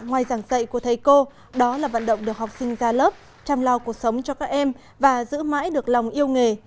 ngoài giảng dạy của thầy cô đó là vận động được học sinh ra lớp chăm lao cuộc sống cho các em và giữ mãi được lòng yêu nghề